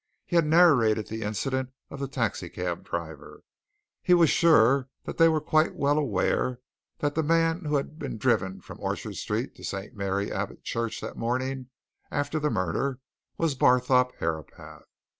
He had narrated the incident of the taxi cab driver: he was sure that they were quite well aware that the man who had been driven from Orchard Street to St. Mary Abbot church that morning after the murder was Barthorpe Herapath.